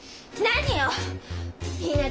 何よ！